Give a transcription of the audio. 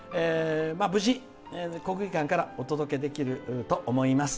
無事、国技館からお届けできると思います。